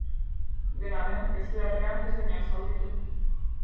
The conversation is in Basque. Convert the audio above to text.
Dena den, ezbeharrean ez da inor zauritu.